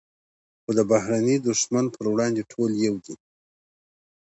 خو د بهرني دښمن پر وړاندې ټول یو دي.